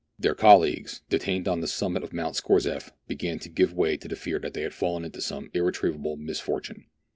Their colleagues, detained on the summit of Mount Scorzef, began to give way to the fear that they had fallen into some irretrievable misfortune.